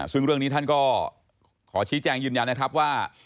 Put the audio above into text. ซึ่งเรื่องนี้ท่านก็ขอชี้แจงยืนยันนะครับว่า